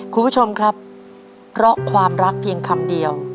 คุณผู้ชมครับเพราะความรักเพียงคำเดียว